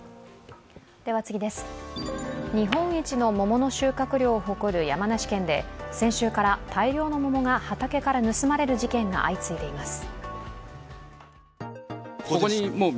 日本一の桃の収穫量を誇る山梨県で先週から大量の桃が畑から盗まれる事件が相次いでいます。